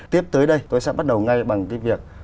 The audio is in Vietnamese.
tiếp tới đây tôi sẽ bắt đầu ngay bằng cái việc